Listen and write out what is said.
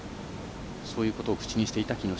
そういうことを口にしていた木下。